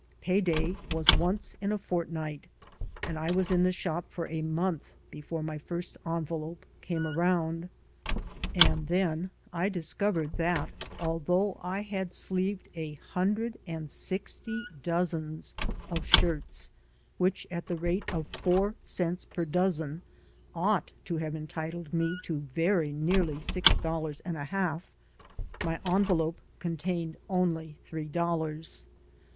Pay day was once in a fortnight, and I was in *the shop for a month before my first envelope came around; and then I discovered that although I had sleeved a hundred and sixty dozens of shirts, which, at the rate of four cents per dozen, ought to have entitled me to very nearly six doUars and a half, my envelope contained only three dollars.